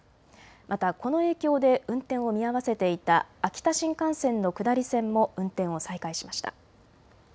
またこの影響で運転を見合わせていた秋田新幹線の下り線も運転を再開しました。